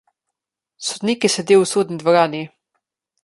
Sodnik je sedel v sodni dvorani.